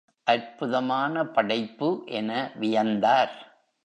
அற்புதமான படைப்பு என வியந்தார்.